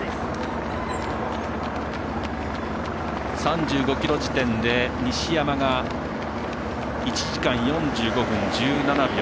３５ｋｍ地点で西山が１時間４５分１７秒。